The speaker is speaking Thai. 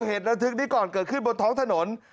เหตุระทึกนี้ก่อนเกิดขึ้นบนท้องถนน